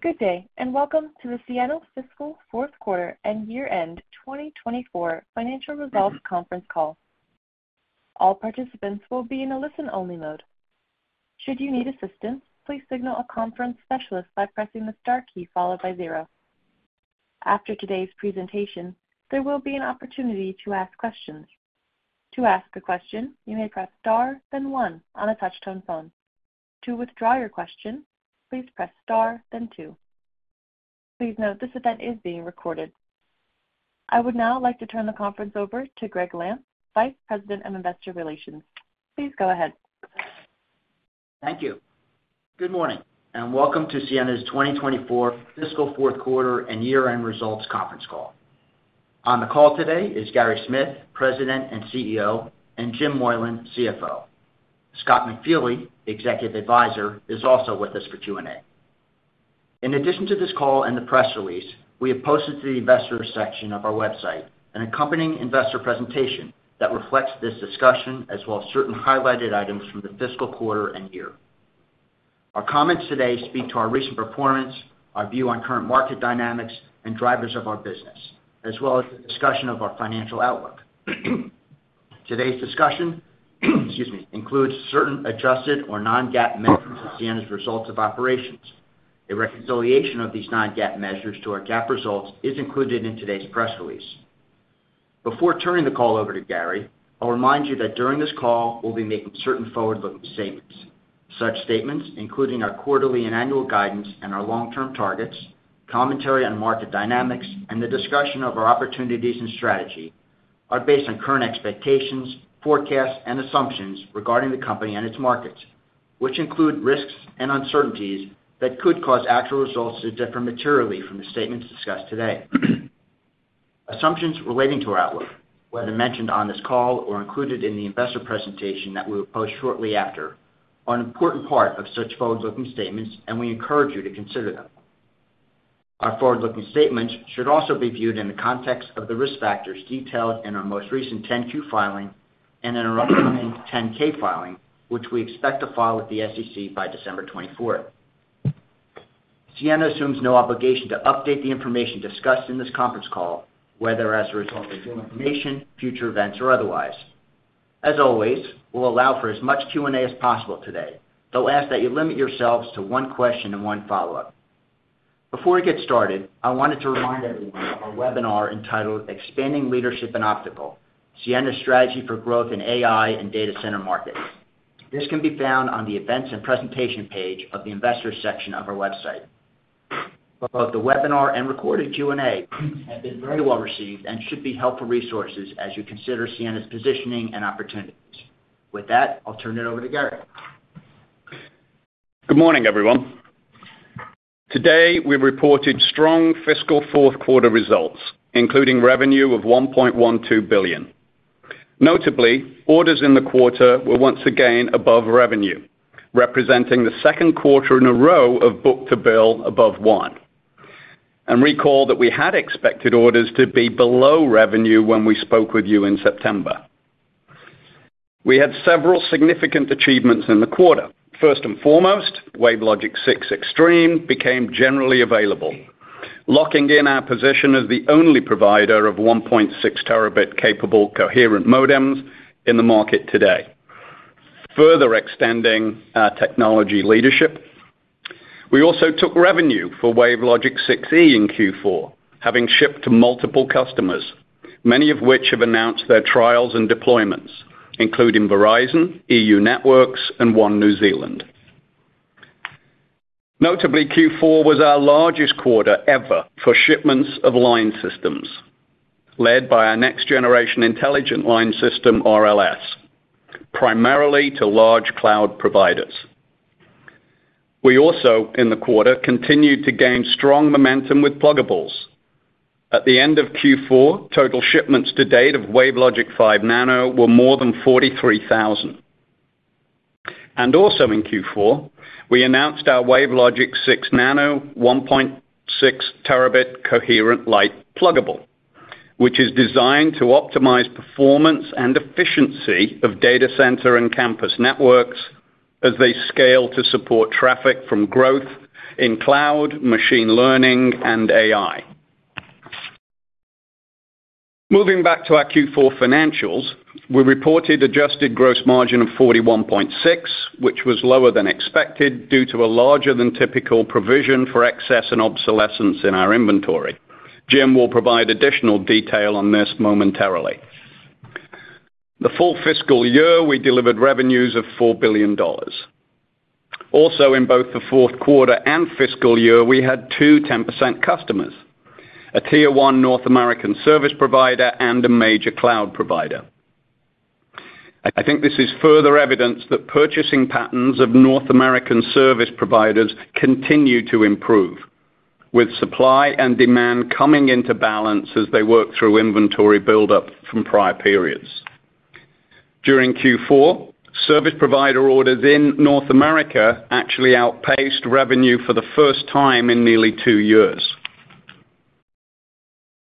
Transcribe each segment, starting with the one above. Good day, and welcome to the Ciena fiscal fourth quarter and year-end 2024 financial results conference call. All participants will be in a listen-only mode. Should you need assistance, please signal a conference specialist by pressing the star key followed by zero. After today's presentation, there will be an opportunity to ask questions. To ask a question, you may press star, then one on a touch-tone phone. To withdraw your question, please press star, then two. Please note this event is being recorded. I would now like to turn the conference over to Gregg Lampf, Vice President of Investor Relations. Please go ahead. Thank you. Good morning, and welcome to Ciena's 2024 fiscal fourth quarter and year-end results conference call. On the call today is Gary Smith, President and CEO, and Jim Moylan, CFO. Scott McFeely, Executive Advisor, is also with us for Q&A. In addition to this call and the press release, we have posted to the investors' section of our website an accompanying investor presentation that reflects this discussion, as well as certain highlighted items from the fiscal quarter and year. Our comments today speak to our recent performance, our view on current market dynamics, and drivers of our business, as well as a discussion of our financial outlook. Today's discussion includes certain adjusted or non-GAAP measures of Ciena's results of operations. A reconciliation of these non-GAAP measures to our GAAP results is included in today's press release. Before turning the call over to Gary, I'll remind you that during this call, we'll be making certain forward-looking statements. Such statements, including our quarterly and annual guidance and our long-term targets, commentary on market dynamics, and the discussion of our opportunities and strategy, are based on current expectations, forecasts, and assumptions regarding the company and its markets, which include risks and uncertainties that could cause actual results to differ materially from the statements discussed today. Assumptions relating to our outlook, whether mentioned on this call or included in the investor presentation that we will post shortly after, are an important part of such forward-looking statements, and we encourage you to consider them. Our forward-looking statements should also be viewed in the context of the risk factors detailed in our most recent 10-Q filing and in our upcoming 10-K filing, which we expect to file with the SEC by December 24. Ciena assumes no obligation to update the information discussed in this conference call, whether as a result of new information, future events, or otherwise. As always, we'll allow for as much Q&A as possible today, though ask that you limit yourselves to one question and one follow-up. Before we get started, I wanted to remind everyone of our webinar entitled "Expanding Leadership in Optical: Ciena's Strategy for Growth in AI and Data Center Markets." This can be found on the events and presentation page of the Investors section of our website. Both the webinar and recorded Q&A have been very well received and should be helpful resources as you consider Ciena's positioning and opportunities. With that, I'll turn it over to Gary. Good morning, everyone. Today, we reported strong fiscal fourth quarter results, including revenue of $1.12 billion. Notably, orders in the quarter were once again above revenue, representing the second quarter in a row of book-to-bill above one. And recall that we had expected orders to be below revenue when we spoke with you in September. We had several significant achievements in the quarter. First and foremost, WaveLogic 6 Extreme became generally available, locking in our position as the only provider of 1.6 Tb capable coherent modems in the market today, further extending our technology leadership. We also took revenue for WaveLogic 6e in Q4, having shipped to multiple customers, many of which have announced their trials and deployments, including Verizon, euNetworks, and One New Zealand. Notably, Q4 was our largest quarter ever for shipments of line systems, led by our next-generation intelligent line system, RLS, primarily to large cloud providers. We also, in the quarter, continued to gain strong momentum with pluggables. At the end of Q4, total shipments to date of WaveLogic 5 Nano were more than 43,000. And also in Q4, we announced our WaveLogic 6 Nano 1.6 Tb Coherent-Lite pluggable, which is designed to optimize performance and efficiency of data center and campus networks as they scale to support traffic from growth in cloud, machine learning, and AI. Moving back to our Q4 financials, we reported adjusted gross margin of 41.6%, which was lower than expected due to a larger than typical provision for excess and obsolescence in our inventory. Jim will provide additional detail on this momentarily. The full fiscal year, we delivered revenues of $4 billion. Also, in both the fourth quarter and fiscal year, we had two 10% customers, a Tier one North American service provider and a major cloud provider. I think this is further evidence that purchasing patterns of North American service providers continue to improve, with supply and demand coming into balance as they work through inventory buildup from prior periods. During Q4, service provider orders in North America actually outpaced revenue for the first time in nearly two years.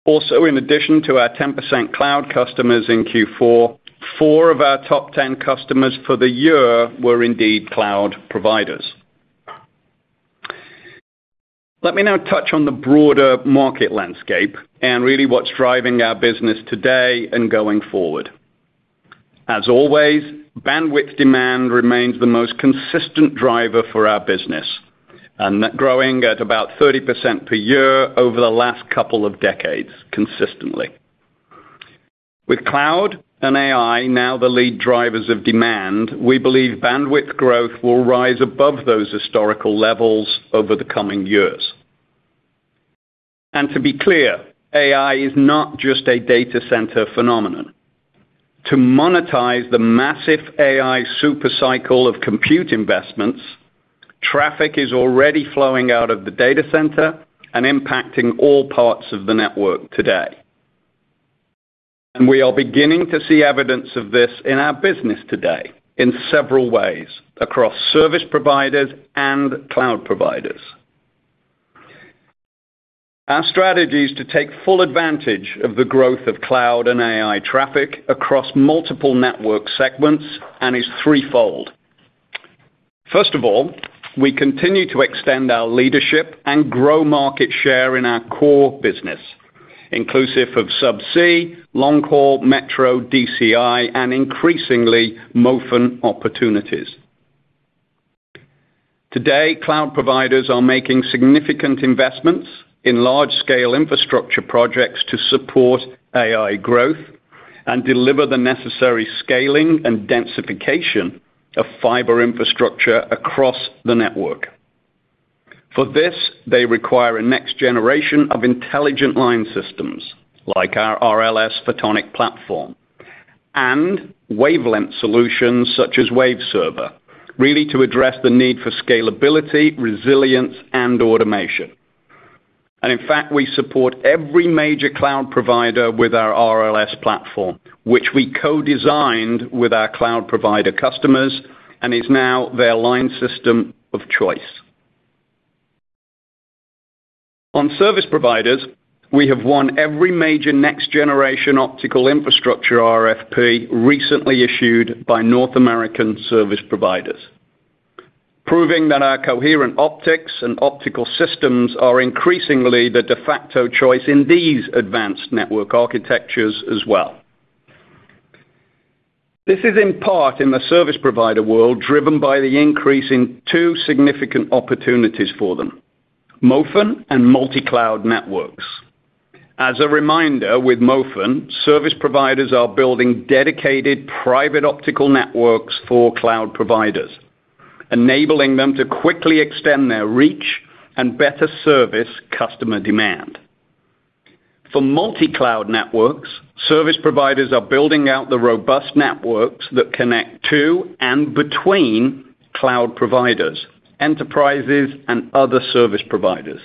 Also, in addition to our 10% cloud customers in Q4, four of our top 10 customers for the year were indeed cloud providers. Let me now touch on the broader market landscape and really what's driving our business today and going forward. As always, bandwidth demand remains the most consistent driver for our business, growing at about 30% per year over the last couple of decades consistently. With cloud and AI now the lead drivers of demand, we believe bandwidth growth will rise above those historical levels over the coming years, and to be clear, AI is not just a data center phenomenon. To monetize the massive AI supercycle of compute investments, traffic is already flowing out of the data center and impacting all parts of the network today, and we are beginning to see evidence of this in our business today in several ways across service providers and cloud providers. Our strategy is to take full advantage of the growth of cloud and AI traffic across multiple network segments and is threefold. First of all, we continue to extend our leadership and grow market share in our core business, inclusive of subsea, long-haul, metro, DCI, and increasingly MOFN opportunities. Today, cloud providers are making significant investments in large-scale infrastructure projects to support AI growth and deliver the necessary scaling and densification of fiber infrastructure across the network. For this, they require a next generation of intelligent line systems like our RLS photonic platform and wavelength solutions such as Waveserver, really to address the need for scalability, resilience, and automation. In fact, we support every major cloud provider with our RLS platform, which we co-designed with our cloud provider customers and is now their line system of choice. On service providers, we have won every major next-generation optical infrastructure RFP recently issued by North American service providers, proving that our coherent optics and optical systems are increasingly the de facto choice in these advanced network architectures as well. This is in part in the service provider world driven by the increase in two significant opportunities for them: MOFN and multi-cloud networks. As a reminder, with MOFN, service providers are building dedicated private optical networks for cloud providers, enabling them to quickly extend their reach and better service customer demand. For multi-cloud networks, service providers are building out the robust networks that connect to and between cloud providers, enterprises, and other service providers.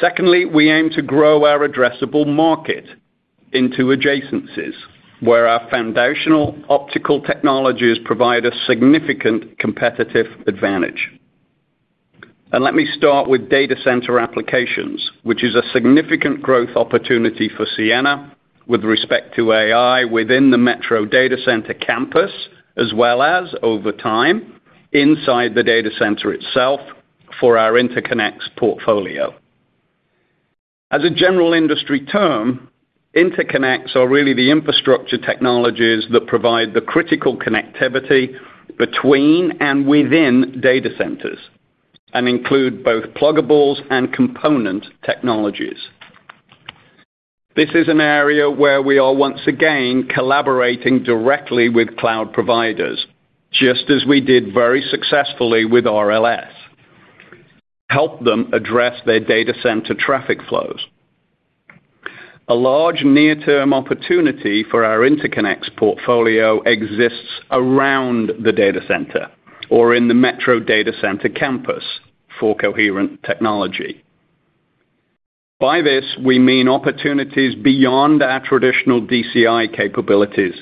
Secondly, we aim to grow our addressable market into adjacencies where our foundational optical technologies provide a significant competitive advantage. And let me start with data center applications, which is a significant growth opportunity for Ciena with respect to AI within the metro data center campus, as well as over time inside the data center itself for our interconnects portfolio. As a general industry term, interconnects are really the infrastructure technologies that provide the critical connectivity between and within data centers and include both pluggables and component technologies. This is an area where we are once again collaborating directly with cloud providers, just as we did very successfully with RLS, to help them address their data center traffic flows. A large near-term opportunity for our interconnects portfolio exists around the data center or in the metro data center campus for coherent technology. By this, we mean opportunities beyond our traditional DCI capabilities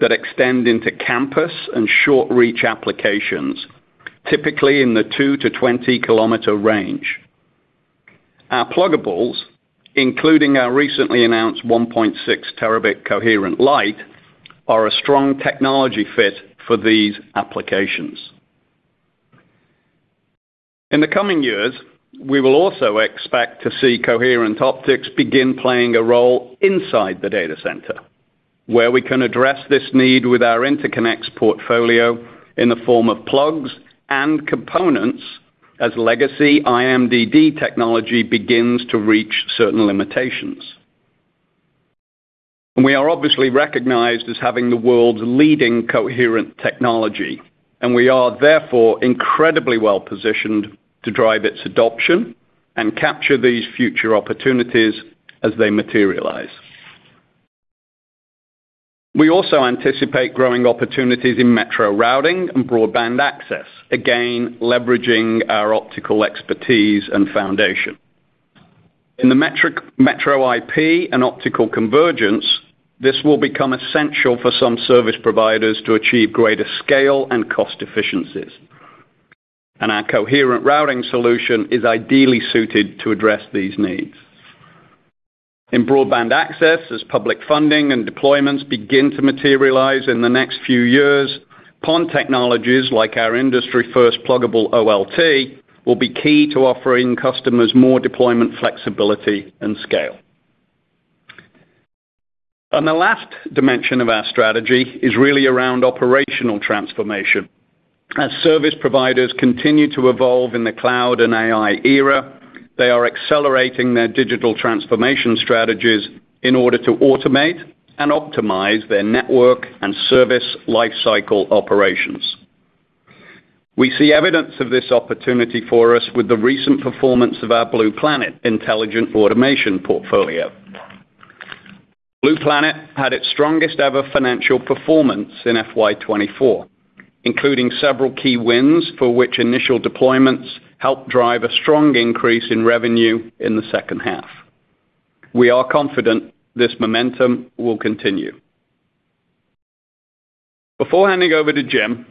that extend into campus and short-reach applications, typically in the 2 km-20 km range. Our pluggables, including our recently announced 1.6 Tb Coherent-Lite, are a strong technology fit for these applications. In the coming years, we will also expect to see coherent optics begin playing a role inside the data center, where we can address this need with our interconnects portfolio in the form of plugs and components as legacy IMDD technology begins to reach certain limitations. We are obviously recognized as having the world's leading coherent technology, and we are therefore incredibly well positioned to drive its adoption and capture these future opportunities as they materialize. We also anticipate growing opportunities in metro routing and broadband access, again leveraging our optical expertise and foundation. In the metro IP and optical convergence, this will become essential for some service providers to achieve greater scale and cost efficiencies, and our coherent routing solution is ideally suited to address these needs. In broadband access, as public funding and deployments begin to materialize in the next few years, PON technologies like our industry-first pluggable OLT will be key to offering customers more deployment flexibility and scale. And the last dimension of our strategy is really around operational transformation. As service providers continue to evolve in the cloud and AI era, they are accelerating their digital transformation strategies in order to automate and optimize their network and service lifecycle operations. We see evidence of this opportunity for us with the recent performance of our Blue Planet intelligent automation portfolio. Blue Planet had its strongest-ever financial performance in FY 2024, including several key wins for which initial deployments helped drive a strong increase in revenue in the second half. We are confident this momentum will continue. Before handing over to Jim,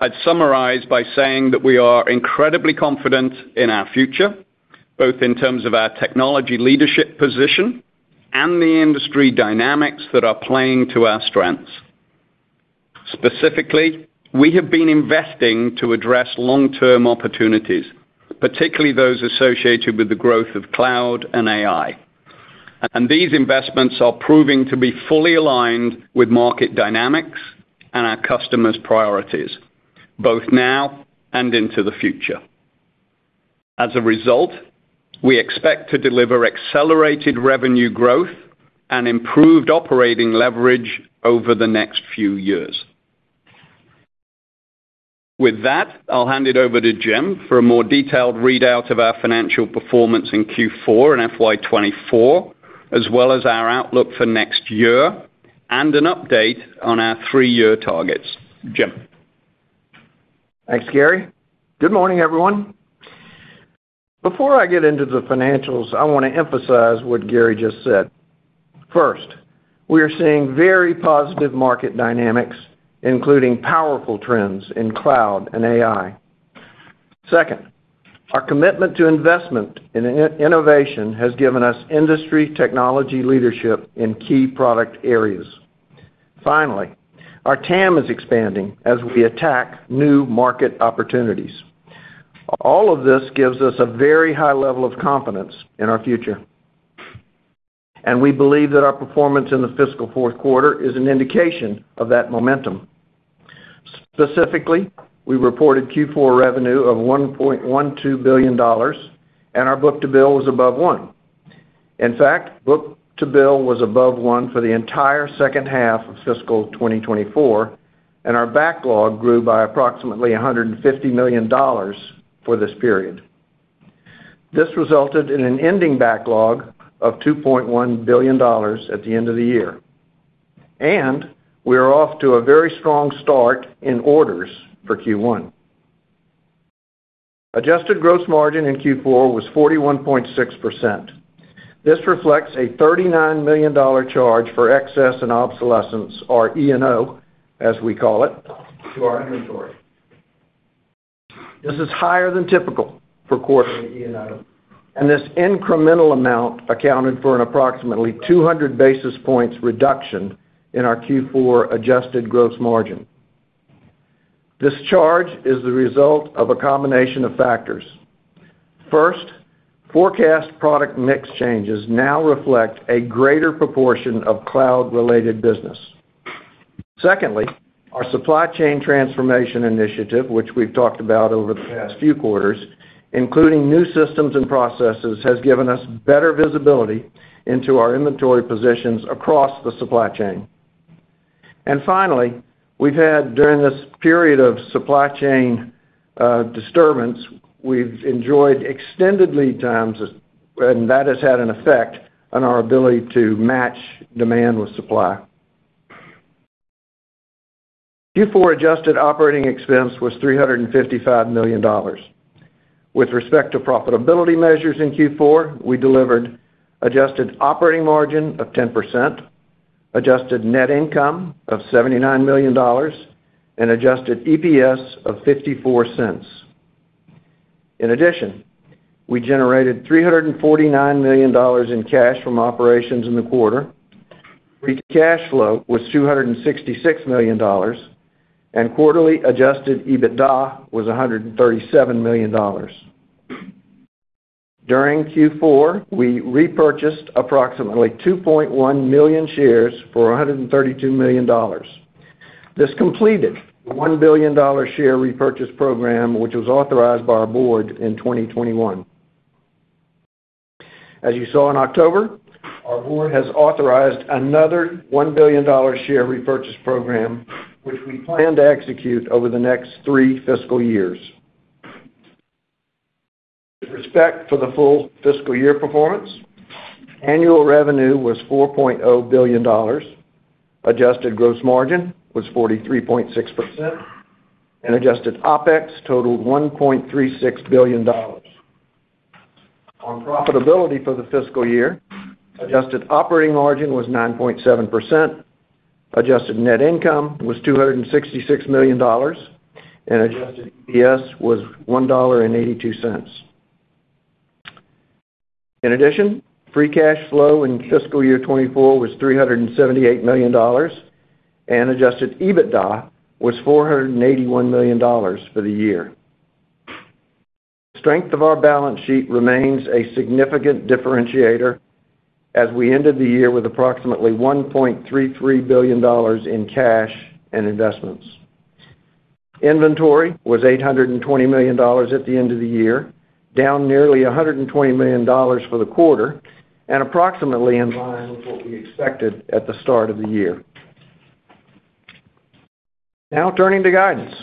I'd summarize by saying that we are incredibly confident in our future, both in terms of our technology leadership position and the industry dynamics that are playing to our strengths. Specifically, we have been investing to address long-term opportunities, particularly those associated with the growth of cloud and AI. And these investments are proving to be fully aligned with market dynamics and our customers' priorities, both now and into the future. As a result, we expect to deliver accelerated revenue growth and improved operating leverage over the next few years. With that, I'll hand it over to Jim for a more detailed readout of our financial performance in Q4 and FY 2024, as well as our outlook for next year and an update on our three-year targets. Jim? Thanks, Gary. Good morning, everyone. Before I get into the financials, I want to emphasize what Gary just said. First, we are seeing very positive market dynamics, including powerful trends in cloud and AI. Second, our commitment to investment in innovation has given us industry technology leadership in key product areas. Finally, our TAM is expanding as we attack new market opportunities. All of this gives us a very high level of confidence in our future. And we believe that our performance in the fiscal fourth quarter is an indication of that momentum. Specifically, we reported Q4 revenue of $1.12 billion, and our book-to-bill was above one. In fact, book-to-bill was above one for the entire second half of fiscal 2024, and our backlog grew by approximately $150 million for this period. This resulted in an ending backlog of $2.1 billion at the end of the year. And we are off to a very strong start in orders for Q1. Adjusted gross margin in Q4 was 41.6%. This reflects a $39 million charge for excess and obsolescence, or E&O, as we call it, to our inventory. This is higher than typical for quarterly E&O, and this incremental amount accounted for an approximately 200 basis points reduction in our Q4 adjusted gross margin. This charge is the result of a combination of factors. First, forecast product mix changes now reflect a greater proportion of cloud-related business. Secondly, our supply chain transformation initiative, which we've talked about over the past few quarters, including new systems and processes, has given us better visibility into our inventory positions across the supply chain. Finally, we've had, during this period of supply chain disturbance, we've enjoyed extended lead times, and that has had an effect on our ability to match demand with supply. Q4 adjusted operating expense was $355 million. With respect to profitability measures in Q4, we delivered adjusted operating margin of 10%, adjusted net income of $79 million, and adjusted EPS of $0.54. In addition, we generated $349 million in cash from operations in the quarter. Free cash flow was $266 million, and quarterly adjusted EBITDA was $137 million. During Q4, we repurchased approximately 2.1 million shares for $132 million. This completed the $1 billion share repurchase program, which was authorized by our board in 2021. As you saw in October, our board has authorized another $1 billion share repurchase program, which we plan to execute over the next three fiscal years. With respect to the full fiscal year performance, annual revenue was $4.0 billion, adjusted gross margin was 43.6%, and adjusted OpEx totaled $1.36 billion. On profitability for the fiscal year, adjusted operating margin was 9.7%, adjusted net income was $266 million, and adjusted EPS was $1.82. In addition, free cash flow in fiscal year 2024 was $378 million, and adjusted EBITDA was $481 million for the year. The strength of our balance sheet remains a significant differentiator, as we ended the year with approximately $1.33 billion in cash and investments. Inventory was $820 million at the end of the year, down nearly $120 million for the quarter, and approximately in line with what we expected at the start of the year. Now, turning to guidance.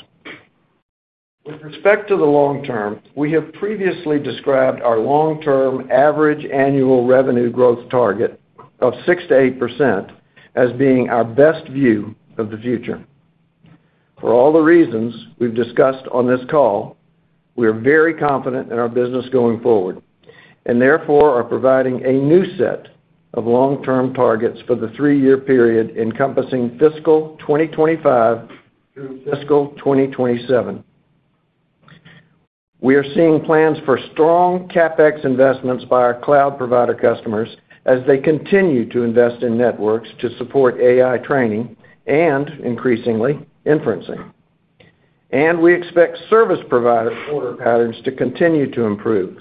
With respect to the long term, we have previously described our long-term average annual revenue growth target of 6%-8% as being our best view of the future. For all the reasons we've discussed on this call, we are very confident in our business going forward and therefore are providing a new set of long-term targets for the three-year period encompassing fiscal 2025 through fiscal 2027. We are seeing plans for strong CapEx investments by our cloud provider customers as they continue to invest in networks to support AI training and, increasingly, inferencing, and we expect service provider order patterns to continue to improve.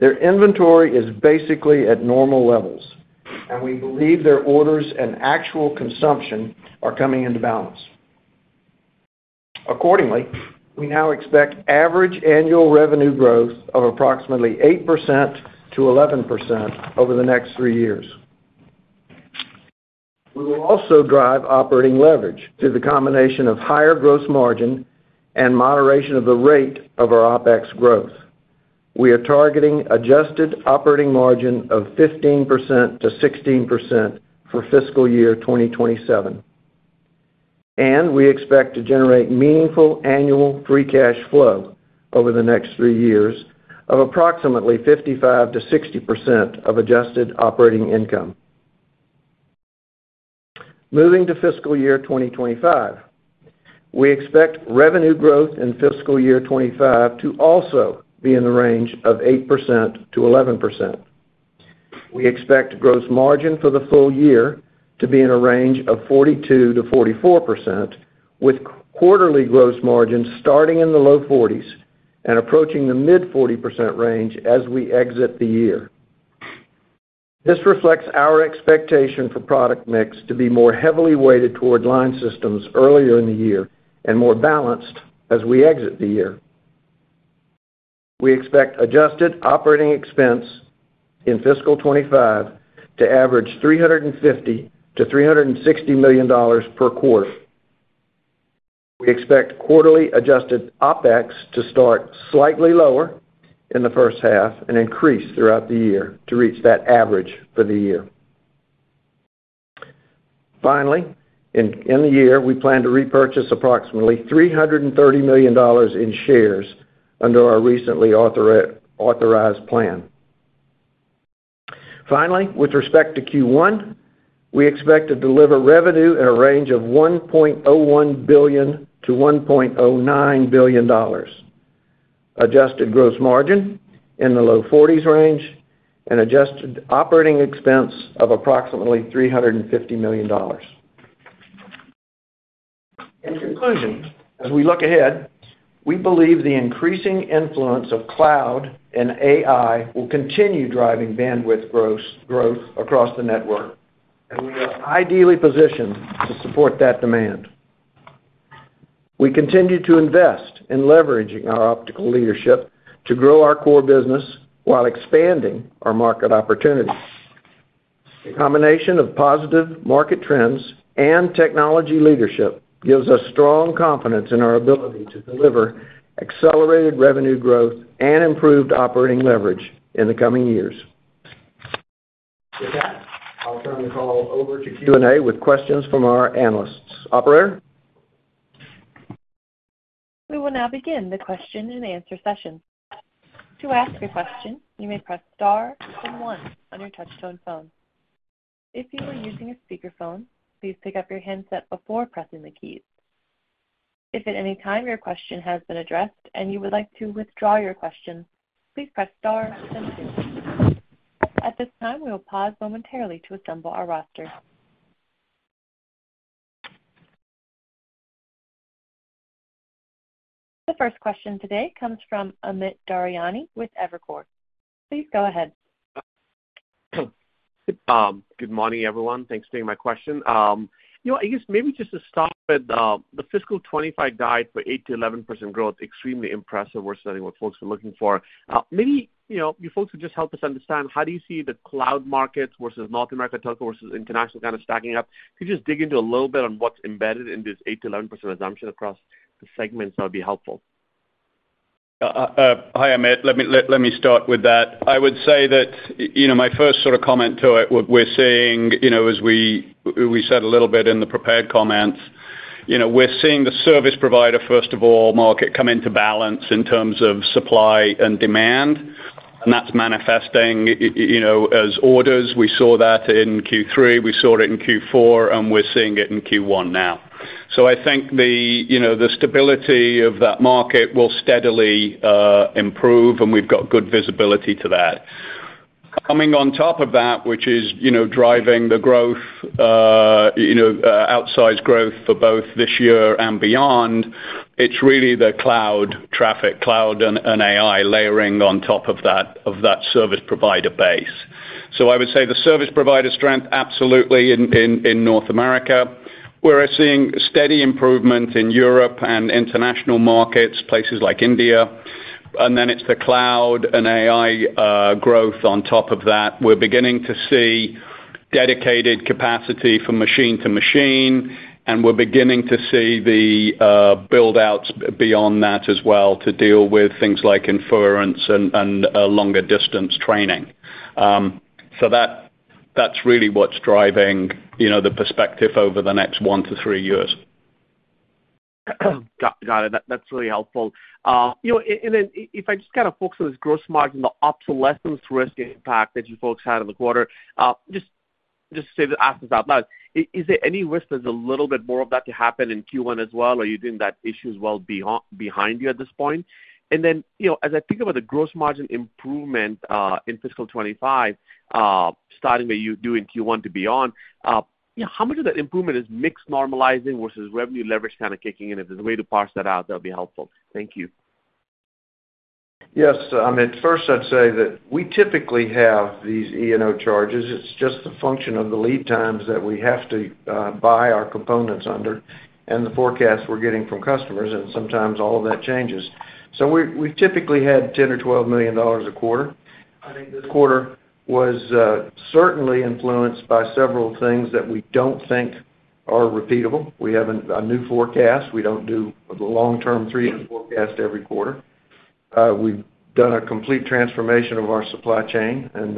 Their inventory is basically at normal levels, and we believe their orders and actual consumption are coming into balance. Accordingly, we now expect average annual revenue growth of approximately 8%-11% over the next three years. We will also drive operating leverage through the combination of higher gross margin and moderation of the rate of our OpEx growth. We are targeting adjusted operating margin of 15%-16% for fiscal year 2027. And we expect to generate meaningful annual free cash flow over the next three years of approximately 55%-60% of adjusted operating income. Moving to fiscal year 2025, we expect revenue growth in fiscal year 2025 to also be in the range of 8%-11%. We expect gross margin for the full year to be in a range of 42%-44%, with quarterly gross margins starting in the low 40s and approaching the mid 40% range as we exit the year. This reflects our expectation for product mix to be more heavily weighted toward line systems earlier in the year and more balanced as we exit the year. We expect adjusted operating expense in fiscal 2025 to average $350 million-$360 million per quarter. We expect quarterly adjusted OpEx to start slightly lower in the first half and increase throughout the year to reach that average for the year. Finally, in the year, we plan to repurchase approximately $330 million in shares under our recently authorized plan. Finally, with respect to Q1, we expect to deliver revenue in a range of $1.01 billion-$1.09 billion, adjusted gross margin in the low 40s range, and adjusted operating expense of approximately $350 million. In conclusion, as we look ahead, we believe the increasing influence of cloud and AI will continue driving bandwidth growth across the network, and we are ideally positioned to support that demand. We continue to invest in leveraging our optical leadership to grow our core business while expanding our market opportunity. The combination of positive market trends and technology leadership gives us strong confidence in our ability to deliver accelerated revenue growth and improved operating leverage in the coming years. With that, I'll turn the call over to Q&A with questions from our analysts. Operator? We will now begin the question and answer session. To ask a question, you may press star and one on your touchtone phone. If you are using a speakerphone, please pick up your handset before pressing the keys. If at any time your question has been addressed and you would like to withdraw your question, please press star and two. At this time, we will pause momentarily to assemble our roster. The first question today comes from Amit Daryanani with Evercore. Please go ahead. Good morning, everyone. Thanks for taking my question. I guess maybe just to start with, the fiscal 2025 guide for 8%-11% growth, extremely impressive. We're studying what folks are looking for. Maybe you folks would just help us understand, how do you see the cloud markets versus North America telco versus international kind of stacking up? Could you just dig into a little bit on what's embedded in this 8%-11% assumption across the segments? That would be helpful. Hi, Amit. Let me start with that. I would say that my first sort of comment to it, what we're seeing, as we said a little bit in the prepared comments, we're seeing the service provider, first of all, market come into balance in terms of supply and demand, and that's manifesting as orders. We saw that in Q3. We saw it in Q4, and we're seeing it in Q1 now, so I think the stability of that market will steadily improve, and we've got good visibility to that. Coming on top of that, which is driving the growth, outsized growth for both this year and beyond, it's really the cloud traffic, cloud and AI layering on top of that service provider base, so I would say the service provider strength, absolutely in North America. We're seeing steady improvement in Europe and international markets, places like India. It's the cloud and AI growth on top of that. We're beginning to see dedicated capacity from machine to machine, and we're beginning to see the buildouts beyond that as well to deal with things like inference and longer distance training. That's really what's driving the perspective over the next one to three years. Got it. That's really helpful. And then if I just kind of focus on this gross margin, the obsolescence risk impact that you folks had in the quarter, just to say that, ask this out loud, is there any risk there's a little bit more of that to happen in Q1 as well? Are you doing that issue as well behind you at this point? And then as I think about the gross margin improvement in fiscal 2025, starting with you doing Q1 to beyond, how much of that improvement is mixed normalizing versus revenue leverage kind of kicking in? If there's a way to parse that out, that would be helpful. Thank you. Yes. I mean, first, I'd say that we typically have these E&O charges. It's just the function of the lead times that we have to buy our components under and the forecasts we're getting from customers. And sometimes all of that changes. So we've typically had $10 million or $12 million a quarter. I think this quarter was certainly influenced by several things that we don't think are repeatable. We have a new forecast. We don't do the long-term three-year forecast every quarter. We've done a complete transformation of our supply chain, and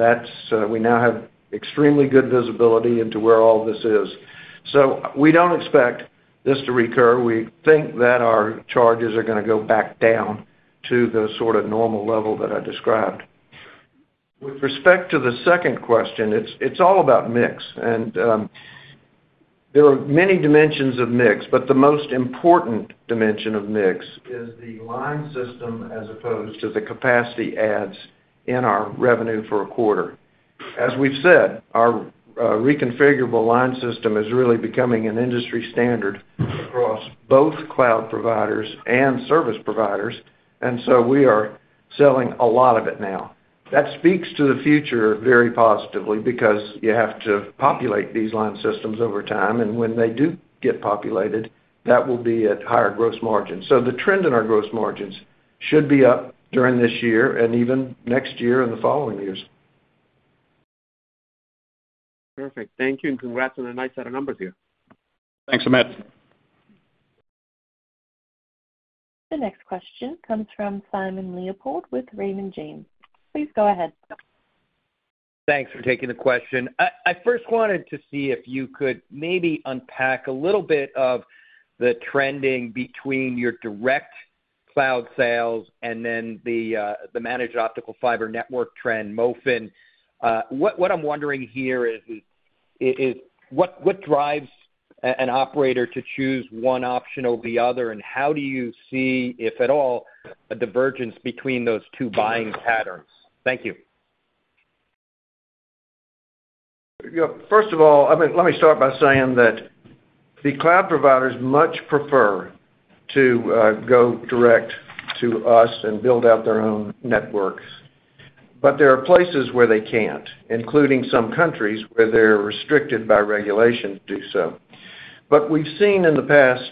we now have extremely good visibility into where all this is. So we don't expect this to recur. We think that our charges are going to go back down to the sort of normal level that I described. With respect to the second question, it's all about mix. There are many dimensions of mix, but the most important dimension of mix is the line system as opposed to the capacity adds in our revenue for a quarter. As we've said, our Reconfigurable Line System is really becoming an industry standard across both cloud providers and service providers. We are selling a lot of it now. That speaks to the future very positively because you have to populate these line systems over time. When they do get populated, that will be at higher gross margins. The trend in our gross margins should be up during this year and even next year and the following years. Perfect. Thank you. And congrats on a nice set of numbers here. Thanks, Amit. The next question comes from Simon Leopold with Raymond James. Please go ahead. Thanks for taking the question. I first wanted to see if you could maybe unpack a little bit of the trending between your direct cloud sales and then the Managed Optical Fiber Network trend, MOFN. What I'm wondering here is, what drives an operator to choose one option over the other? And how do you see, if at all, a divergence between those two buying patterns? Thank you. First of all, let me start by saying that the cloud providers much prefer to go direct to us and build out their own networks. But there are places where they can't, including some countries where they're restricted by regulation to do so. But we've seen in the past,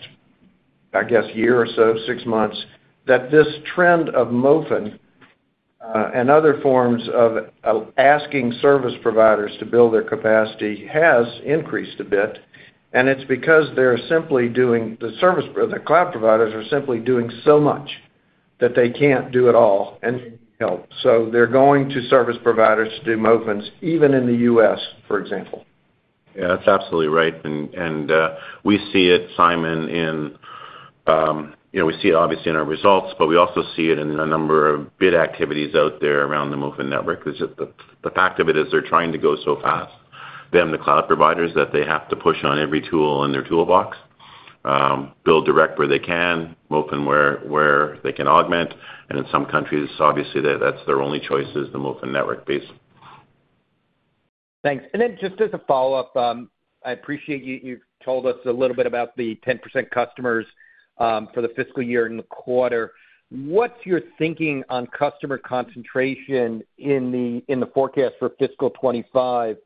I guess, year or so, six months, that this trend of MOFN and other forms of asking service providers to build their capacity has increased a bit. And it's because the cloud providers are simply doing so much that they can't do it all themselves. So they're going to service providers to do MOFNs, even in the U.S., for example. Yeah, that's absolutely right. And we see it, Simon, obviously in our results, but we also see it in a number of bid activities out there around the MOFN network. The fact of it is they're trying to go so fast, them, the cloud providers, that they have to push on every tool in their toolbox, build direct where they can, MOFN where they can augment. And in some countries, obviously, that's their only choice is the MOFN network base. Thanks, and then just as a follow-up, I appreciate you've told us a little bit about the 10% customers for the fiscal year and the quarter. What's your thinking on customer concentration in the forecast for fiscal 2025?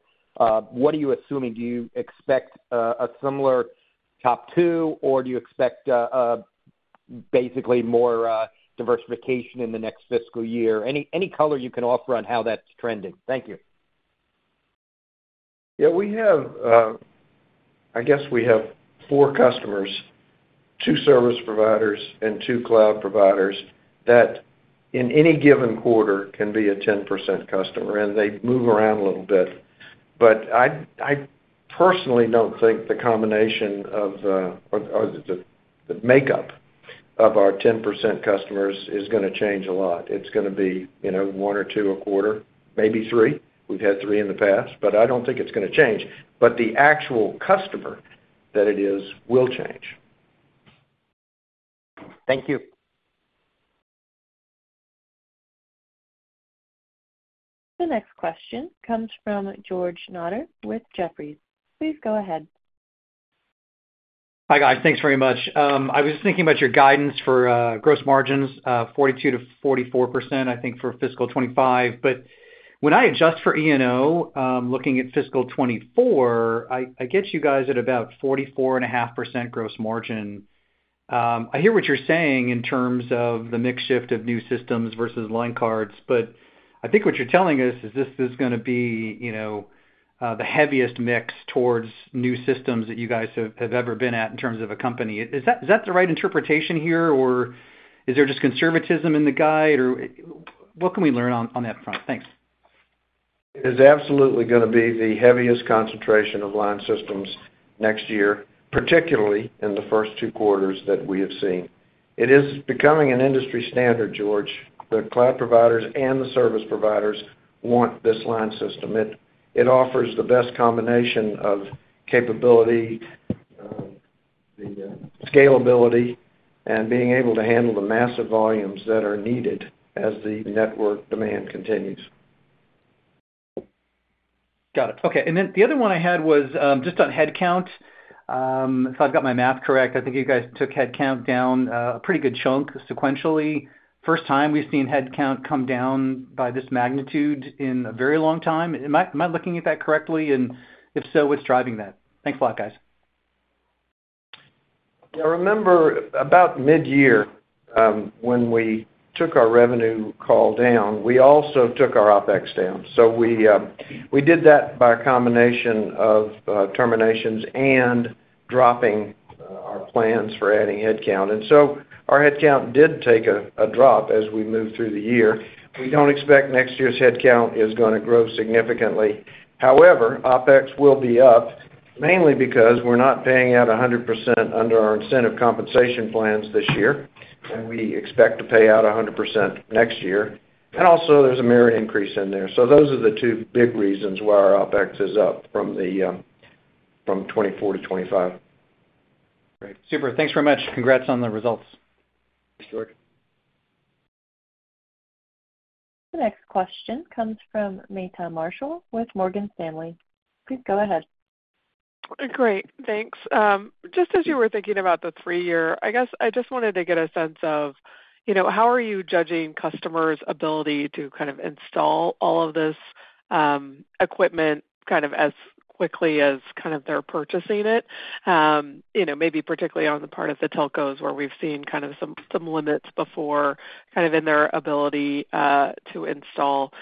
What are you assuming? Do you expect a similar top two, or do you expect basically more diversification in the next fiscal year? Any color you can offer on how that's trending? Thank you. Yeah, I guess we have four customers, two service providers, and two cloud providers that in any given quarter can be a 10% customer. And they move around a little bit. But I personally don't think the combination of the makeup of our 10% customers is going to change a lot. It's going to be one or two a quarter, maybe three. We've had three in the past, but I don't think it's going to change. But the actual customer that it is will change. Thank you. The next question comes from George Notter with Jefferies. Please go ahead. Hi, guys. Thanks very much. I was thinking about your guidance for gross margins, 42%-44%, I think, for fiscal 2025. But when I adjust for E&O, looking at fiscal 2024, I get you guys at about 44.5% gross margin. I hear what you're saying in terms of the mix shift of new systems versus line cards. But I think what you're telling us is this is going to be the heaviest mix towards new systems that you guys have ever been at in terms of a company. Is that the right interpretation here, or is there just conservatism in the guide? Or what can we learn on that front? Thanks. It is absolutely going to be the heaviest concentration of line systems next year, particularly in the first two quarters that we have seen. It is becoming an industry standard, George, that cloud providers and the service providers want this line system. It offers the best combination of capability, the scalability, and being able to handle the massive volumes that are needed as the network demand continues. Got it. Okay. And then the other one I had was just on headcount. If I've got my math correct, I think you guys took headcount down a pretty good chunk sequentially. First time we've seen headcount come down by this magnitude in a very long time. Am I looking at that correctly? And if so, what's driving that? Thanks a lot, guys. Yeah. Remember about mid-year when we took our revenue call down, we also took our OpEx down. So we did that by a combination of terminations and dropping our plans for adding headcount. And so our headcount did take a drop as we moved through the year. We don't expect next year's headcount is going to grow significantly. However, OpEx will be up mainly because we're not paying out 100% under our incentive compensation plans this year, and we expect to pay out 100% next year. And also, there's a merit increase in there. So those are the two big reasons why our OpEx is up from 2024 to 2025. Great. Super. Thanks very much. Congrats on the results. Thanks, George. The next question comes from Meta Marshall with Morgan Stanley. Please go ahead. Great. Thanks. Just as you were thinking about the three-year, I guess I just wanted to get a sense of how are you judging customers' ability to kind of install all of this equipment kind of as quickly as kind of they're purchasing it? Maybe particularly on the part of the telcos where we've seen kind of some limits before kind of in their ability to install.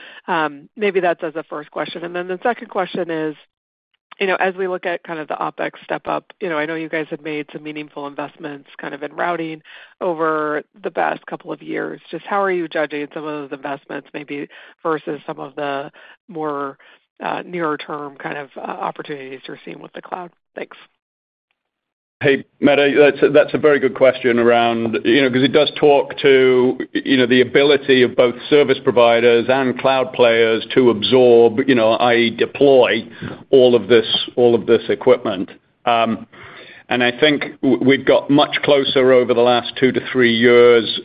Maybe that's as a first question. And then the second question is, as we look at kind of the OpEx step up, I know you guys have made some meaningful investments kind of in routing over the past couple of years. Just how are you judging some of those investments maybe versus some of the more near-term kind of opportunities you're seeing with the cloud? Thanks. Hey, Meta, that's a very good question around because it does talk to the ability of both service providers and cloud players to absorb, i.e., deploy all of this equipment, and I think we've got much closer over the last two to three years,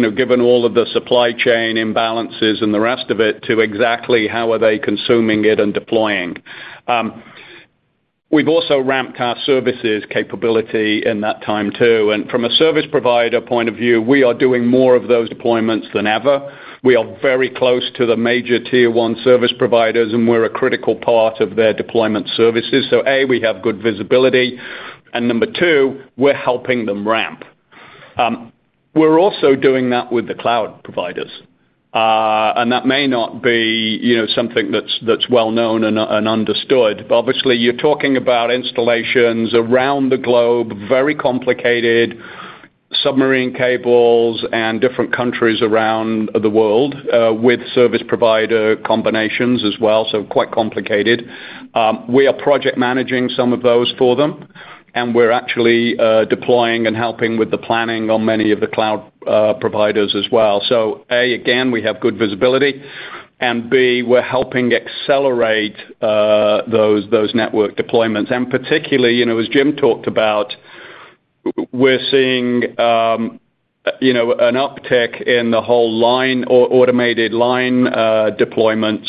given all of the supply chain imbalances and the rest of it, to exactly how are they consuming it and deploying. We've also ramped our services capability in that time too, and from a service provider point of view, we are doing more of those deployments than ever. We are very close to the major tier one service providers, and we're a critical part of their deployment services. So A, we have good visibility, and number two, we're helping them ramp. We're also doing that with the cloud providers, and that may not be something that's well-known and understood. But obviously, you're talking about installations around the globe, very complicated submarine cables and different countries around the world with service provider combinations as well. So quite complicated. We are project managing some of those for them, and we're actually deploying and helping with the planning on many of the cloud providers as well. So A, again, we have good visibility. And B, we're helping accelerate those network deployments. And particularly, as Jim talked about, we're seeing an uptick in the whole automated line deployments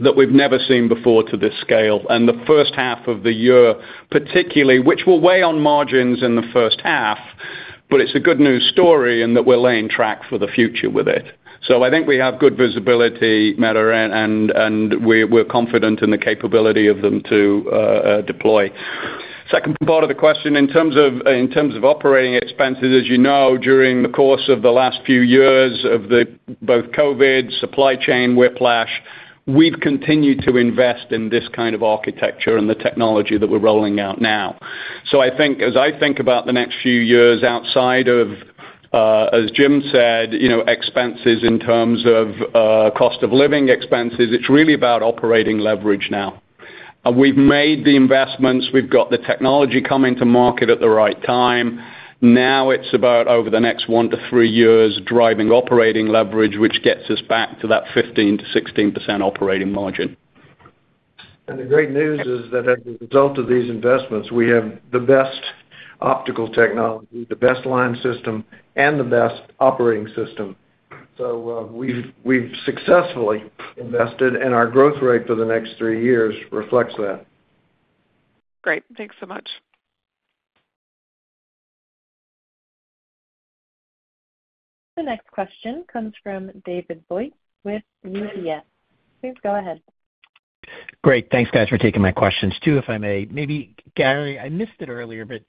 that we've never seen before to this scale. And the first half of the year, particularly, which will weigh on margins in the first half, but it's a good news story in that we're laying track for the future with it. So I think we have good visibility, Meta, and we're confident in the capability of them to deploy. Second part of the question in terms of operating expenses, as you know, during the course of the last few years of both COVID, supply chain whiplash, we've continued to invest in this kind of architecture and the technology that we're rolling out now. So I think as I think about the next few years outside of, as Jim said, expenses in terms of cost of living expenses, it's really about operating leverage now. We've made the investments. We've got the technology coming to market at the right time. Now it's about over the next one to three years driving operating leverage, which gets us back to that 15%-16% operating margin. The great news is that as a result of these investments, we have the best optical technology, the best line system, and the best operating system. We've successfully invested, and our growth rate for the next three years reflects that. Great. Thanks so much. The next question comes from David Vogt with UBS. Please go ahead. Great. Thanks, guys, for taking my questions too, if I may. Maybe, Gary, I missed it earlier, but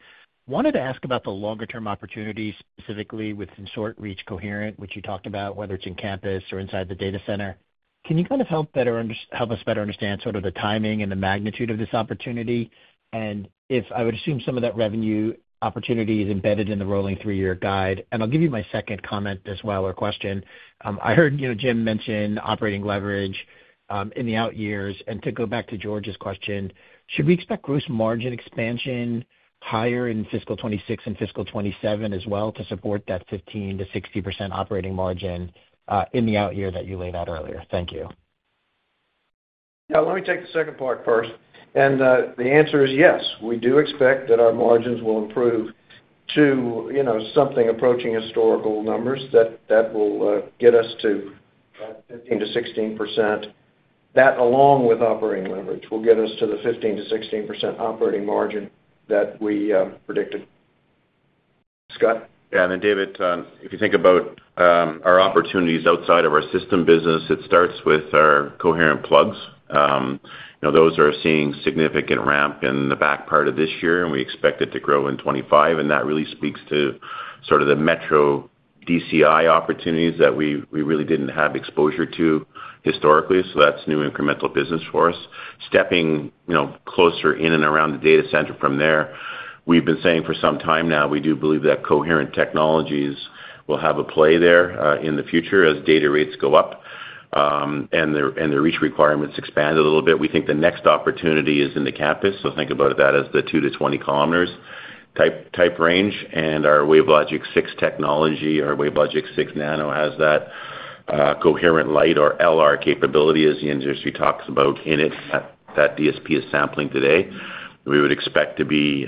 wanted to ask about the longer-term opportunities specifically within short-reach coherent, which you talked about, whether it's in campus or inside the data center. Can you kind of help us better understand sort of the timing and the magnitude of this opportunity? And I would assume some of that revenue opportunity is embedded in the rolling three-year guide. And I'll give you my second comment as well or question. I heard Jim mention operating leverage in the out years. And to go back to George's question, should we expect gross margin expansion higher in fiscal 2026 and fiscal 2027 as well to support that 15% to 60% operating margin in the out year that you laid out earlier? Thank you. Yeah. Let me take the second part first, and the answer is yes. We do expect that our margins will improve to something approaching historical numbers that will get us to 15%-16%. That, along with operating leverage, will get us to the 15%-16% operating margin that we predicted. Scott? Yeah. And then, David, if you think about our opportunities outside of our system business, it starts with our coherent plugs. Those are seeing significant ramp in the back part of this year, and we expect it to grow in 2025. And that really speaks to sort of the metro DCI opportunities that we really didn't have exposure to historically. So that's new incremental business for us. Stepping closer in and around the data center from there, we've been saying for some time now, we do believe that coherent technologies will have a play there in the future as data rates go up and the reach requirements expand a little bit. We think the next opportunity is in the campus. So think about that as the 2 km-20 km type range. Our WaveLogic 6 technology, our WaveLogic 6 Nano, has that Coherent-Lite or LR capability as the industry talks about in it. That DSP is sampling today. We would expect to be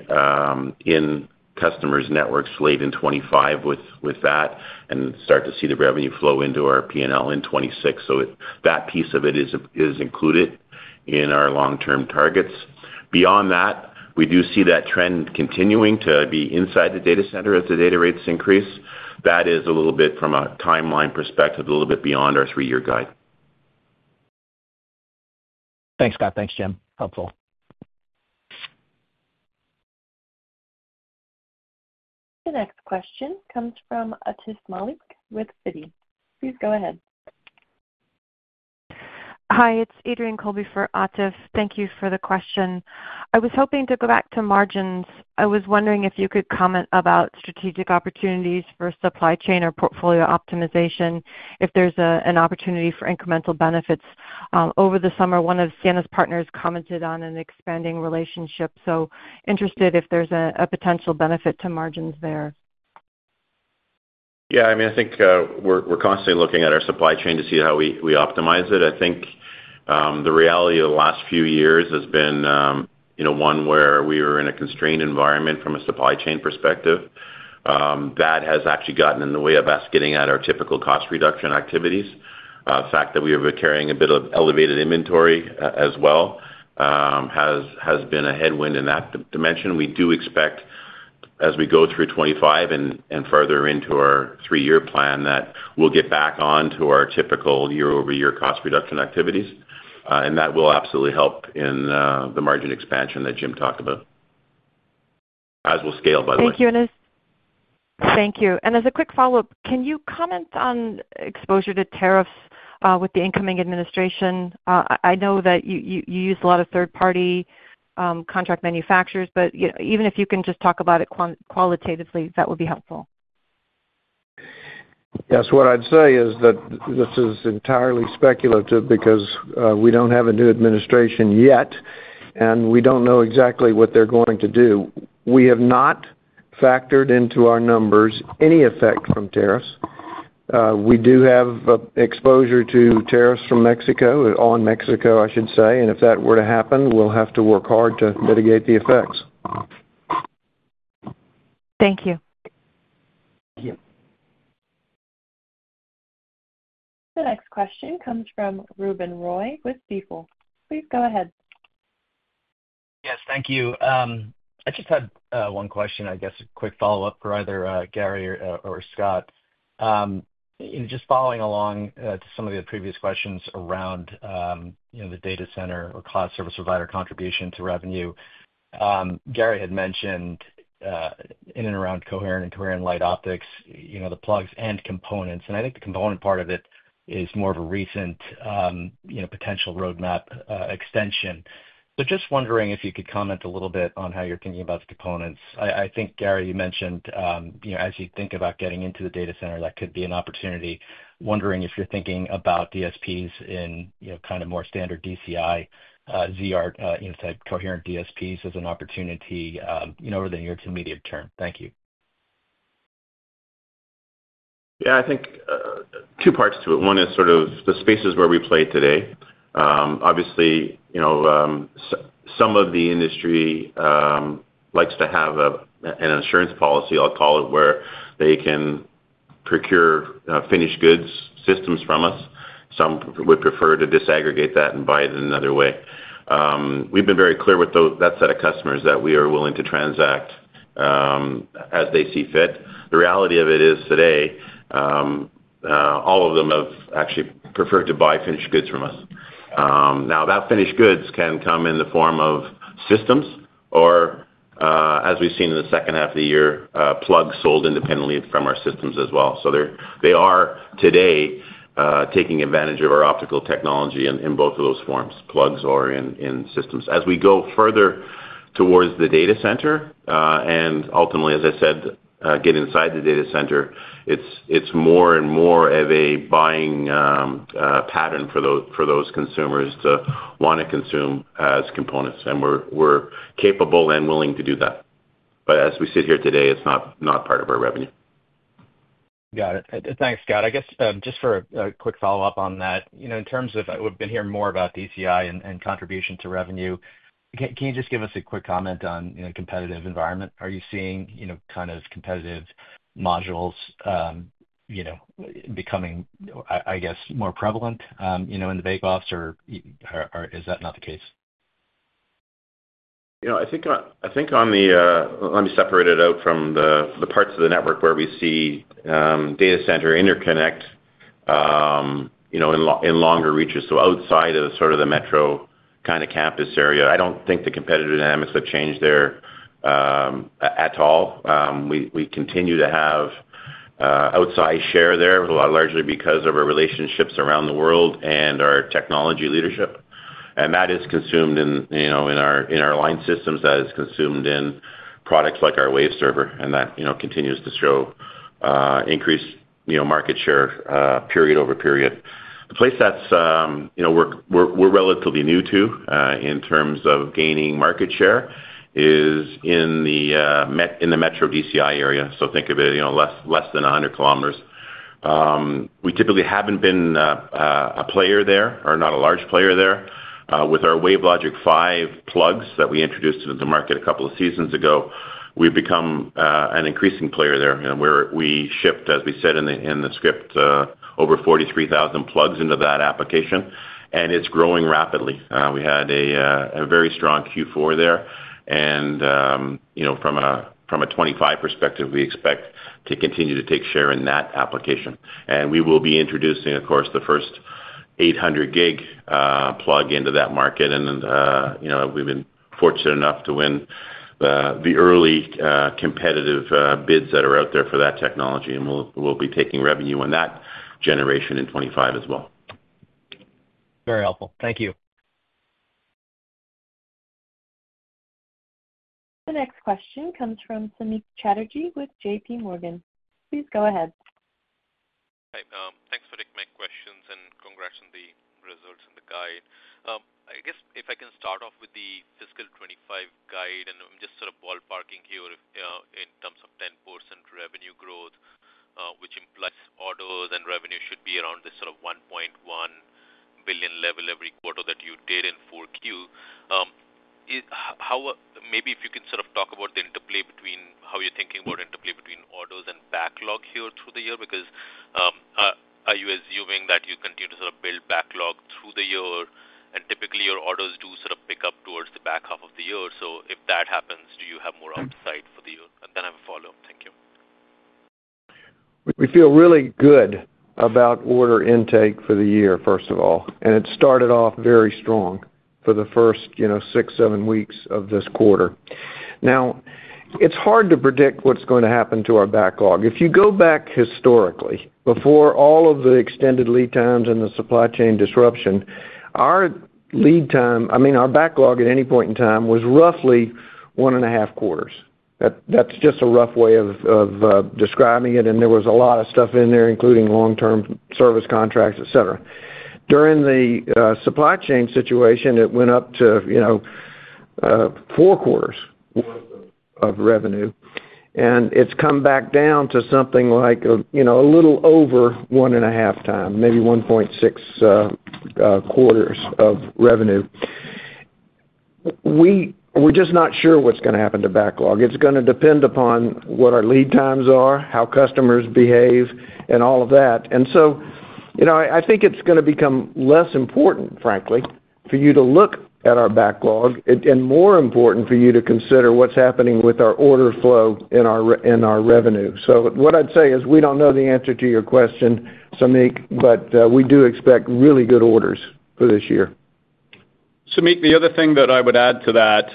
in customers' networks late in 2025 with that and start to see the revenue flow into our P&L in 2026. That piece of it is included in our long-term targets. Beyond that, we do see that trend continuing to be inside the data center as the data rates increase. That is a little bit from a timeline perspective, a little bit beyond our three-year guide. Thanks, Scott. Thanks, Jim. Helpful. The next question comes from Atif Malik with Citi. Please go ahead. Hi. It's Adrienne Colby for Atif. Thank you for the question. I was hoping to go back to margins. I was wondering if you could comment about strategic opportunities for supply chain or portfolio optimization if there's an opportunity for incremental benefits over the summer. One of Ciena's partners commented on an expanding relationship. So interested if there's a potential benefit to margins there. Yeah. I mean, I think we're constantly looking at our supply chain to see how we optimize it. I think the reality of the last few years has been one where we were in a constrained environment from a supply chain perspective. That has actually gotten in the way of us getting at our typical cost reduction activities. The fact that we were carrying a bit of elevated inventory as well has been a headwind in that dimension. We do expect as we go through 2025 and further into our three-year plan that we'll get back on to our typical year-over-year cost reduction activities. And that will absolutely help in the margin expansion that Jim talked about as we'll scale, by the way. Thank you. Thank you. And as a quick follow-up, can you comment on exposure to tariffs with the incoming administration? I know that you use a lot of third-party contract manufacturers, but even if you can just talk about it qualitatively, that would be helpful. Yeah, so what I'd say is that this is entirely speculative because we don't have a new administration yet, and we don't know exactly what they're going to do. We have not factored into our numbers any effect from tariffs. We do have exposure to tariffs from Mexico, on Mexico, I should say, and if that were to happen, we'll have to work hard to mitigate the effects. Thank you. The next question comes from Ruben Roy with Stifel. Please go ahead. Yes. Thank you. I just had one question, I guess, a quick follow-up for either Gary or Scott. Just following along to some of the previous questions around the data center or cloud service provider contribution to revenue. Gary had mentioned in and around coherent pluggable optics, the pluggables and components. And I think the component part of it is more of a recent potential roadmap extension. So just wondering if you could comment a little bit on how you're thinking about the components. I think, Gary, you mentioned as you think about getting into the data center, that could be an opportunity. Wondering if you're thinking about DSPs in kind of more standard DCI, ZR-type coherent DSPs as an opportunity over the near to medium term? Thank you. Yeah. I think two parts to it. One is sort of the spaces where we play today. Obviously, some of the industry likes to have an insurance policy, I'll call it, where they can procure finished goods systems from us. Some would prefer to disaggregate that and buy it in another way. We've been very clear with that set of customers that we are willing to transact as they see fit. The reality of it is today, all of them have actually preferred to buy finished goods from us. Now, that finished goods can come in the form of systems or, as we've seen in the second half of the year, plugs sold independently from our systems as well. So they are today taking advantage of our optical technology in both of those forms, plugs or in systems. As we go further towards the data center and ultimately, as I said, get inside the data center, it's more and more of a buying pattern for those consumers to want to consume as components. And we're capable and willing to do that. But as we sit here today, it's not part of our revenue. Got it. Thanks, Scott. I guess just for a quick follow-up on that, in terms of we've been hearing more about DCI and contribution to revenue, can you just give us a quick comment on the competitive environment? Are you seeing kind of competitive modules becoming, I guess, more prevalent in the bake-offs, or is that not the case? I think on the, let me separate it out from the parts of the network where we see Data Center Interconnect in longer reaches. So outside of sort of the metro kind of campus area, I don't think the competitive dynamics have changed there at all. We continue to have outsized share there, largely because of our relationships around the world and our technology leadership. And that is consumed in our line systems. That is consumed in products like our Waveserver. And that continues to show increased market share period over period. The place that we're relatively new to in terms of gaining market share is in the metro DCI area. So think of it less than 100 km. We typically haven't been a player there or not a large player there. With our WaveLogic 5 plugs that we introduced into the market a couple of seasons ago, we've become an increasing player there. And we shipped, as we said in the script, over 43,000 plugs into that application. And it's growing rapidly. We had a very strong Q4 there. And from a 2025 perspective, we expect to continue to take share in that application. And we will be introducing, of course, the first 800G plug into that market. And we've been fortunate enough to win the early competitive bids that are out there for that technology. And we'll be taking revenue on that generation in 2025 as well. Very helpful. Thank you. The next question comes from Samik Chatterjee with JPMorgan. Please go ahead. Hi. Thanks for taking my questions and congrats on the results and the guide. I guess if I can start off with the fiscal 2025 guide, and I'm just sort of ballparking here in terms of 10% revenue growth, which implies orders and revenue should be around this sort of $1.1 billion level every quarter that you did in 4Q. Maybe if you can sort of talk about the interplay between how you're thinking about orders and backlog here through the year, because are you assuming that you continue to sort of build backlog through the year? And typically, your orders do sort of pick up towards the back half of the year. So if that happens, do you have more upside for the year? And then I have a follow-up. Thank you. We feel really good about order intake for the year, first of all. And it started off very strong for the first six, seven weeks of this quarter. Now, it's hard to predict what's going to happen to our backlog. If you go back historically, before all of the extended lead times and the supply chain disruption, our lead time I mean, our backlog at any point in time was roughly one and a half quarters. That's just a rough way of describing it. And there was a lot of stuff in there, including long-term service contracts, etc. During the supply chain situation, it went up to four quarters of revenue. And it's come back down to something like a little over one and a half time, maybe 1.6 quarters of revenue. We're just not sure what's going to happen to backlog. It's going to depend upon what our lead times are, how customers behave, and all of that. And so I think it's going to become less important, frankly, for you to look at our backlog and more important for you to consider what's happening with our order flow in our revenue. So what I'd say is we don't know the answer to your question, Samik, but we do expect really good orders for this year. Samik, the other thing that I would add to that,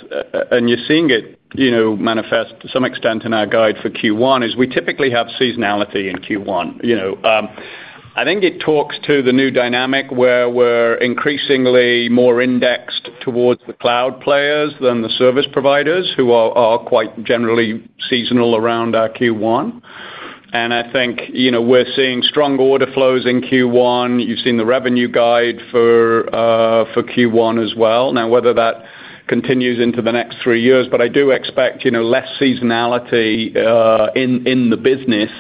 and you're seeing it manifest to some extent in our guide for Q1, is we typically have seasonality in Q1. I think it talks to the new dynamic where we're increasingly more indexed towards the cloud players than the service providers who are quite generally seasonal around our Q1. And I think we're seeing strong order flows in Q1. You've seen the revenue guide for Q1 as well. Now, whether that continues into the next three years, but I do expect less seasonality in the business,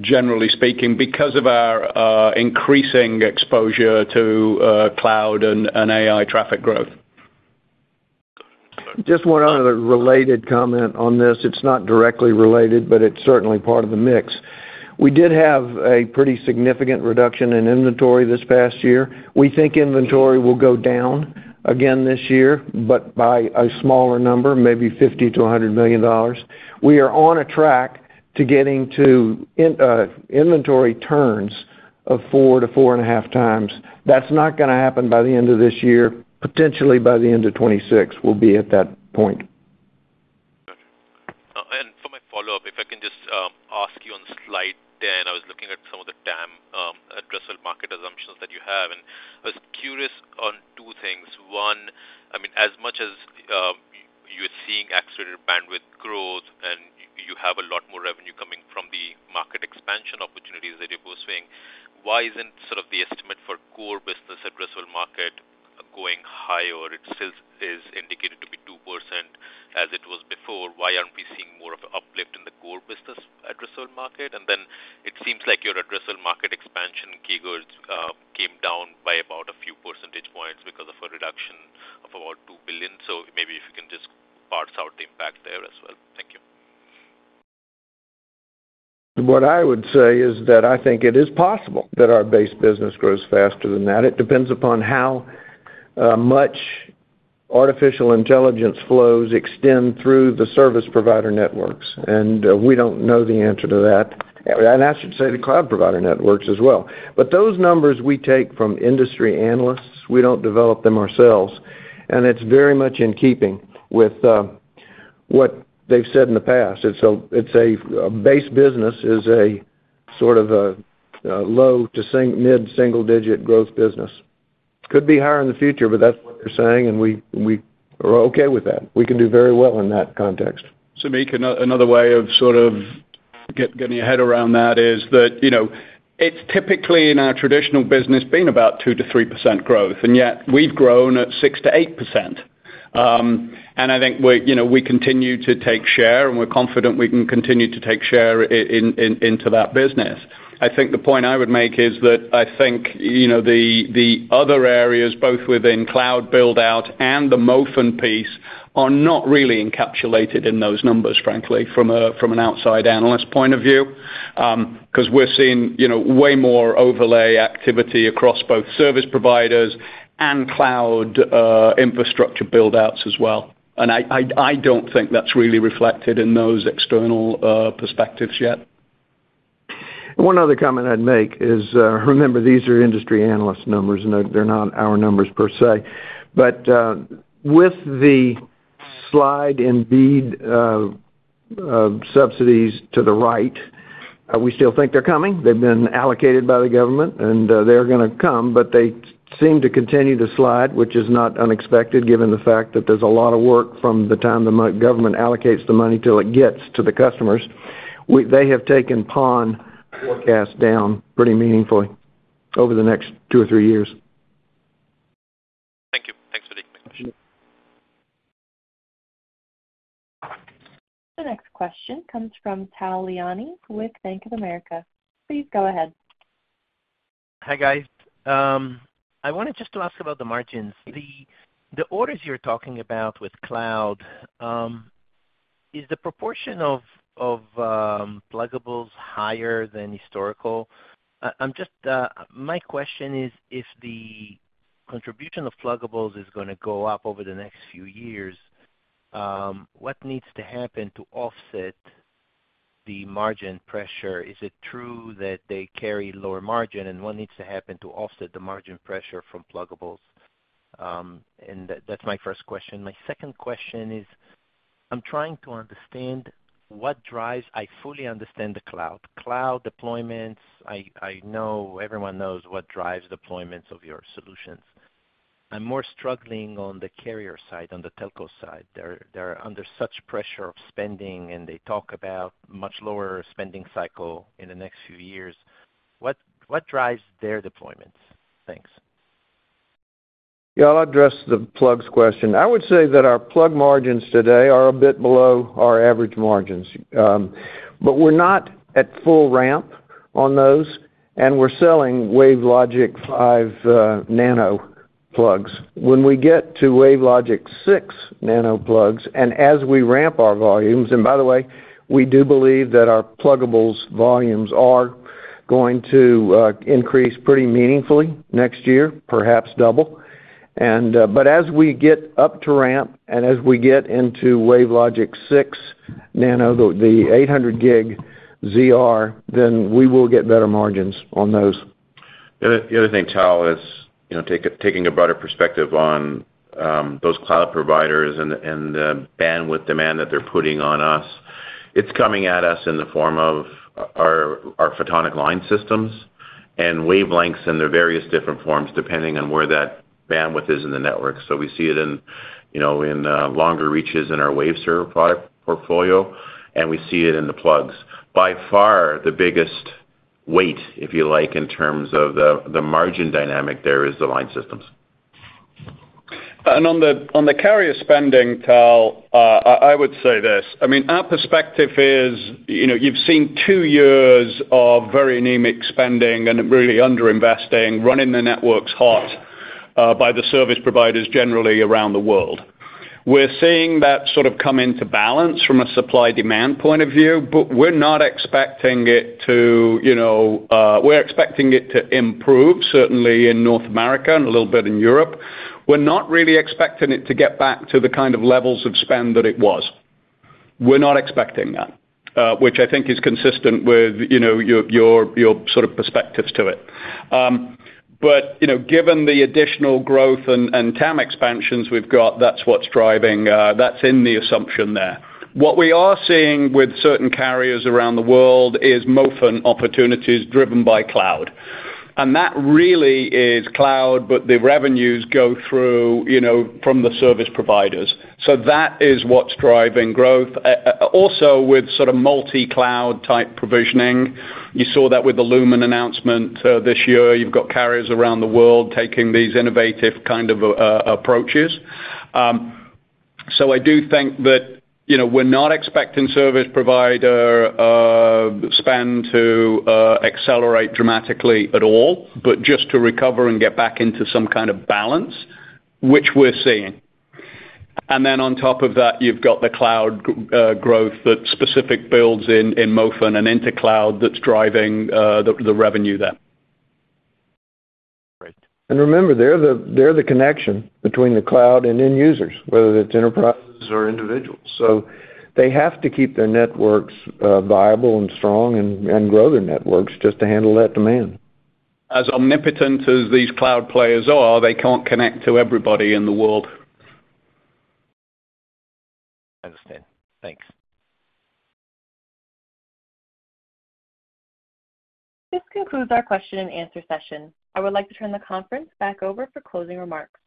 generally speaking, because of our increasing exposure to cloud and AI traffic growth. Just one other related comment on this. It's not directly related, but it's certainly part of the mix. We did have a pretty significant reduction in inventory this past year. We think inventory will go down again this year, but by a smaller number, maybe $50 million-$100 million. We are on a track to getting to inventory turns of four to four and a half times. That's not going to happen by the end of this year. Potentially by the end of 2026, we'll be at that point. Gotcha. And for my follow-up, if I can just ask you on slide 10, I was looking at some of the TAM addressable market assumptions that you have. And I was curious on two things. One, I mean, as much as you're seeing accelerated bandwidth growth and you have a lot more revenue coming from the market expansion opportunities that you're pursuing, why isn't sort of the estimate for core business addressable market going higher? It still is indicated to be 2% as it was before. Why aren't we seeing more of an uplift in the core business addressable market? And then it seems like your addressable market expansion figures came down by about a few percentage points because of a reduction of about $2 billion. So maybe if you can just parse out the impact there as well. Thank you. What I would say is that I think it is possible that our base business grows faster than that. It depends upon how much artificial intelligence flows extend through the service provider networks. And we don't know the answer to that. And I should say the cloud provider networks as well. But those numbers we take from industry analysts, we don't develop them ourselves. And it's very much in keeping with what they've said in the past. It's a base business is a sort of a low- to mid-single-digit growth business. Could be higher in the future, but that's what they're saying. And we are okay with that. We can do very well in that context. Samik, another way of sort of getting your head around that is that it's typically in our traditional business been about 2%-3% growth. And yet we've grown at 6%-8%. And I think we continue to take share. And we're confident we can continue to take share into that business. I think the point I would make is that I think the other areas, both within cloud buildout and the MOFN piece, are not really encapsulated in those numbers, frankly, from an outside analyst point of view, because we're seeing way more overlay activity across both service providers and cloud infrastructure buildouts as well. And I don't think that's really reflected in those external perspectives yet. One other comment I'd make is, remember, these are industry analyst numbers. They're not our numbers per se, but with the slide in BEAD subsidies to the right, we still think they're coming. They've been allocated by the government, and they're going to come, but they seem to continue to slide, which is not unexpected given the fact that there's a lot of work from the time the government allocates the money till it gets to the customers. They have taken PON forecasts down pretty meaningfully over the next two or three years. Thank you. Thanks for taking my question. The next question comes from Tal Liani with Bank of America. Please go ahead. Hi, guys. I wanted just to ask about the margins. The orders you're talking about with cloud, is the proportion of pluggables higher than historical? My question is, if the contribution of pluggables is going to go up over the next few years, what needs to happen to offset the margin pressure? Is it true that they carry lower margin? And what needs to happen to offset the margin pressure from pluggables? And that's my first question. My second question is, I'm trying to understand what drives. I fully understand the cloud. Cloud deployments, I know everyone knows what drives deployments of your solutions. I'm more struggling on the carrier side, on the telco side. They're under such pressure of spending. And they talk about a much lower spending cycle in the next few years. What drives their deployments? Thanks. Yeah. I'll address the plugs question. I would say that our plug margins today are a bit below our average margins. But we're not at full ramp on those. And we're selling WaveLogic 5 Nano plugs. When we get to WaveLogic 6 Nano plugs and as we ramp our volumes and by the way, we do believe that our pluggables volumes are going to increase pretty meaningfully next year, perhaps double. But as we get up to ramp and as we get into WaveLogic 6 Nano, the 800G ZR, then we will get better margins on those. The other thing, Tal, is taking a broader perspective on those cloud providers and the bandwidth demand that they're putting on us. It's coming at us in the form of our photonic line systems and wavelengths in their various different forms depending on where that bandwidth is in the network. So we see it in longer reaches in our Waveserver product portfolio. And we see it in the pluggables. By far, the biggest weight, if you like, in terms of the margin dynamic there is the line systems. On the carrier spending, Tal, I would say this. I mean, our perspective is you've seen two years of very anemic spending and really underinvesting, running the networks hot by the service providers generally around the world. We're seeing that sort of come into balance from a supply-demand point of view. But we're not expecting it to. We're expecting it to improve, certainly in North America and a little bit in Europe. We're not really expecting it to get back to the kind of levels of spend that it was. We're not expecting that, which I think is consistent with your sort of perspectives to it. But given the additional growth and TAM expansions we've got, that's what's driving. That's in the assumption there. What we are seeing with certain carriers around the world is MOFN opportunities driven by cloud. And that really is cloud, but the revenues go through from the service providers. So that is what's driving growth. Also, with sort of multi-cloud type provisioning, you saw that with the Lumen announcement this year. You've got carriers around the world taking these innovative kind of approaches. So I do think that we're not expecting service provider spend to accelerate dramatically at all, but just to recover and get back into some kind of balance, which we're seeing. And then on top of that, you've got the cloud growth that specific builds in MOFN and into cloud that's driving the revenue there. And remember, they're the connection between the cloud and end users, whether it's enterprises or individuals. So they have to keep their networks viable and strong and grow their networks just to handle that demand. As omnipotent as these cloud players are, they can't connect to everybody in the world. I understand. Thanks. This concludes our question and answer session. I would like to turn the conference back over for closing remarks.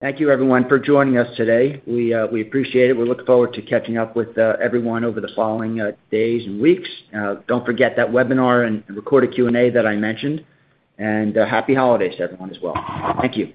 Thank you, everyone, for joining us today. We appreciate it. We look forward to catching up with everyone over the following days and weeks. Don't forget that webinar and recorded Q&A that I mentioned. And happy holidays to everyone as well. Thank you.